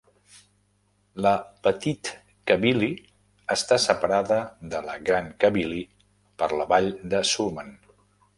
La Petite Kabylie està separada de la Grande Kabylie per la vall de Soummam.